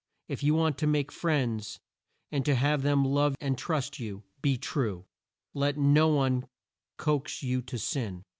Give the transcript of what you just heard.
If you want to make friends, and to have them love and trust you be true. Let no one coax you to sin.